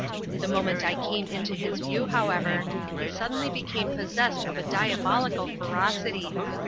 The moment I came into his view, however, he suddenly became possessed of a diabolical ferocity.